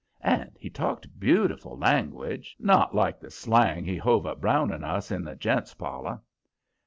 And he talked beautiful language, not like the slang he hove at Brown and us in the gents' parlor.